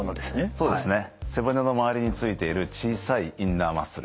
そうですね背骨の周りについている小さいインナーマッスル。